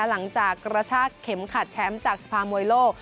หลังจากรชาเข็มขัดแชมป์จากสภามวยโลก